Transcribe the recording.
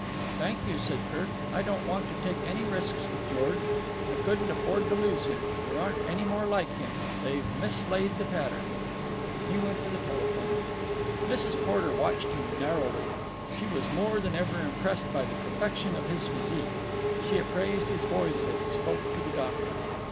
"Thank you," said Kirk. "I don't want to take any risks with George. I couldn't afford to lose him. There aren't any more like him: they've mislaid the pattern." He went to the telephone. Mrs. Porter watched him narrowly. She was more than ever impressed by the perfection of his physique. She appraised his voice as he spoke to the doctor.